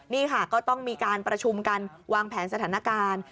นี่ค่ะก็ต้องมีการประชุมกันวางแผนสถานการณ์